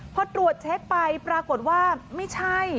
พอตรวจเช็คไปปรากฏว่าไม่ใช่